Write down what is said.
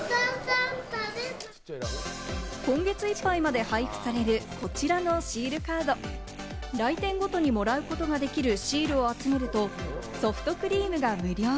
今月いっぱいまで配布されるこちらのシールカード、来店ごとにもらうことができるシールを集めるとソフトクリームが無料。